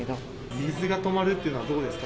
水が止まるっていうのはどうですか？